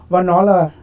và nó là